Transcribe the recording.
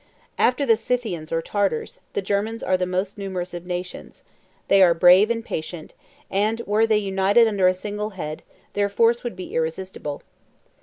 After the Scythians or Tartars, the Germans are the most numerous of nations: they are brave and patient; and were they united under a single head, their force would be irresistible.